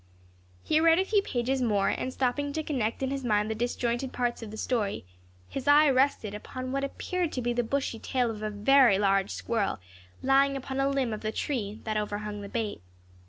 He read a few pages more, and stopping to connect in his mind the disjointed parts of the story, his eye rested upon what appeared to be the bushy tail of a very large squirrel, lying upon a limb of the tree that overhung the bait.